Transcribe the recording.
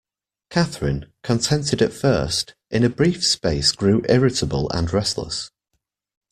Catherine, contented at first, in a brief space grew irritable and restless.